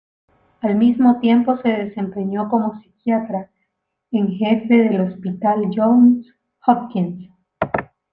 Al mismo tiempo, se desempeñó como psiquiatra en jefe del Hospital Johns Hopkins.